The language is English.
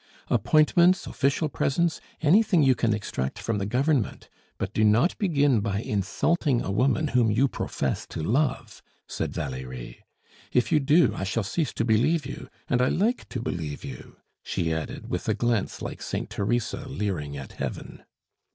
"Appointments, official presents, anything you can extract from the Government; but do not begin by insulting a woman whom you profess to love," said Valerie. "If you do, I shall cease to believe you and I like to believe you," she added, with a glance like Saint Theresa leering at heaven.